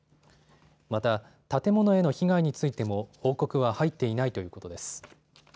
また建物への被害についても報告は入っていないということです。